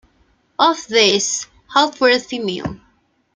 Of these, half were female.